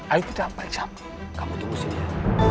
aku tidak periksa kamu tunggu sini